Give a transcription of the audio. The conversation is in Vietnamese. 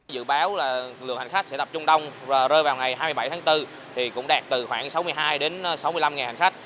dự báo là lượng hành khách sẽ tập trung đông và rơi vào ngày hai mươi bảy tháng bốn thì cũng đạt từ khoảng sáu mươi hai đến sáu mươi năm hành khách